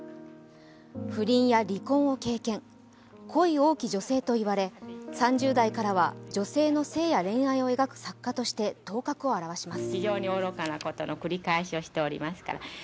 不倫や離婚を経験、恋多き女性といわれ、３０代からは女性の姓や恋愛を描く作家として頭角を表します。